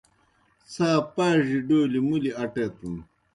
څھا پاڙیْ ڈولیْ مُلیْ اٹیتَن۔